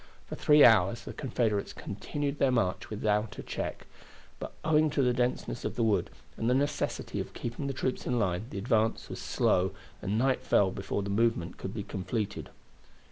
For three hours the Confederates continued their march without a check; but owing to the denseness of the wood, and the necessity of keeping the troops in line, the advance was slow, and night fell before the movement could be completed.